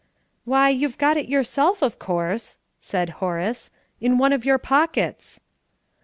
"Why, you've got it yourself, of course," said Horace, "in one of your pockets."